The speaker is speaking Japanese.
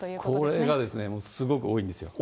これがですね、すごく多いんですよ。